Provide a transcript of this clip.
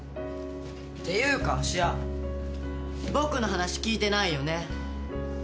っていうか芦屋僕の話聞いてないよね。